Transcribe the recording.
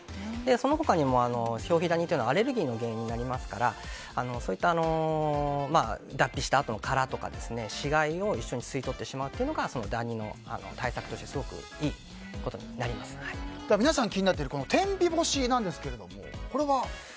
その他にも、表皮ダニはアレルギーの原因になりますからそういった脱皮したあとの殻とか死骸を一緒に吸い取ってしまうのがダニの対策として皆さんが気になっている天日干しなんですがこれは？